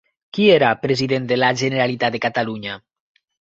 Qui era president de la Generalitat de Catalunya?